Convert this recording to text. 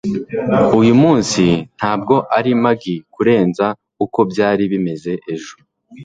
uyu munsi ntabwo ari muggy kurenza uko byari bimeze ejo